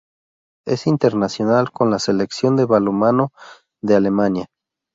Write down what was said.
Es internacional con la Selección de balonmano de Alemania.